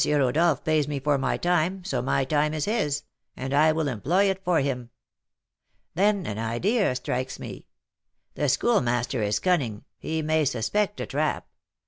Rodolph pays me for my time, so my time is his, and I will employ it for him.' Then an idea strikes me: the Schoolmaster is cunning, he may suspect a trap.